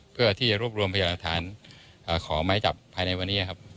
เพื่อที่รวบรวมพยาหลักฐานขอไม้จับภายในวันนี้ครับ